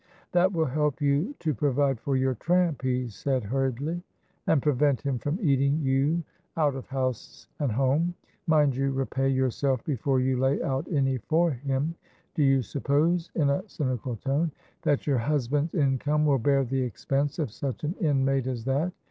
"That will help you to provide for your tramp," he said, hurriedly, "and prevent him from eating you out of house and home. Mind you repay yourself before you lay out any for him: do you suppose," in a cynical tone, "that your husband's income will bear the expense of such an inmate as that?"